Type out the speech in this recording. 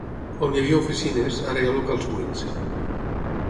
On hi havia oficines, ara hi ha locals buits.